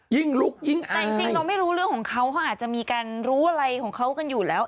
ลุกยิ่งแต่จริงเราไม่รู้เรื่องของเขาเขาอาจจะมีการรู้อะไรของเขากันอยู่แล้ว